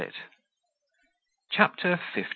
CHAPTER LIV.